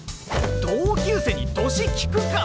同級生に年聞くか！？